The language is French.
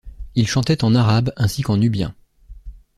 Il chantait en arabe ainsi qu'en nubien.